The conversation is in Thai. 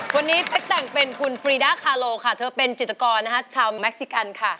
วันนี้เป๊กแต่งเป็นคุณฟรีด้าคาโลค่ะเธอเป็นจิตกรนะคะชาวเม็กซิกันค่ะ